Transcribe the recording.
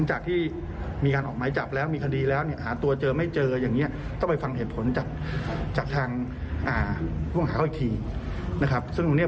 หมายจับมีคดีแล้วตัวเจอไม่เจอต้องไปฟังเหตุผลจากทางห้องหาเขาอีกที